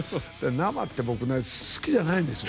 生って、僕好きじゃないんですよ。